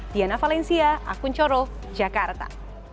diana valencia akun coro jakarta